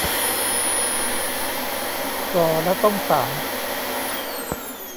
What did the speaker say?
ก่อแล้วต้องสาน